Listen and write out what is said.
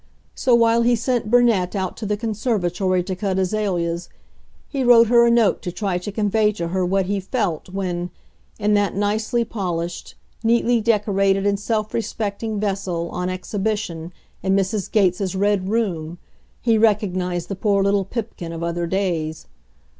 So while he sent Burnett out to the conservatory to cut azaleas, he wrote her a note to try to convey to her what he felt when, in that nicely polished, neatly decorated and self respecting Vessel on exhibition in Mrs. Gates' red room, he recognized the poor little Pipkin of other days.